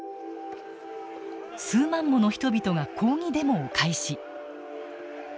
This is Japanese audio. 数万もの人々が抗議デモを開始。